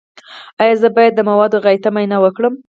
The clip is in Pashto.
ایا زه باید د مواد غایطه معاینه وکړم؟